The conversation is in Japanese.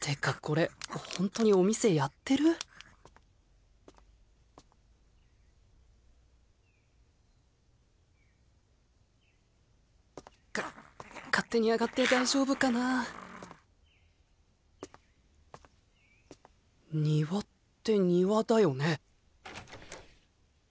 てかこれほんとにお店やってる？か勝手に上がって大丈夫かな「にわ」って丹羽だよね？